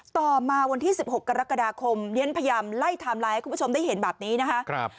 ต่อมาวันที่๑๖กรกฎาคมเรียนพยายามไล่ไทม์ไลน์ให้คุณผู้ชมได้เห็นแบบนี้นะคะ